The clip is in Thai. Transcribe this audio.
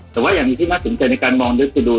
แต่อย่างนี้ที่มากสนใจในการมองเนื้อสูดู